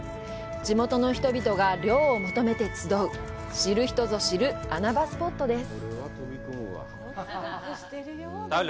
地元の人々が涼を求めて集う知る人ぞ知る穴場スポットです。